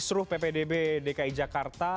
kisruh ppdb dki jakarta